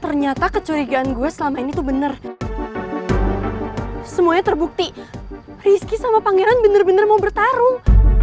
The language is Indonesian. ternyata kecurigaan gue selama ini tuh bener semuanya terbukti rizky sama pangeran bener bener mau bertarung